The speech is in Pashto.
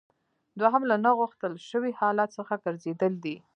دوهم له نه غوښتل شوي حالت څخه ګرځیدل دي.